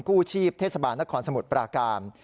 กู้ชีพเทศบาลนครสมุทรปราการ